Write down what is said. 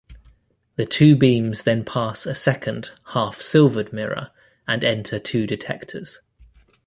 The two beams then pass a second half-silvered mirror and enter two detectors.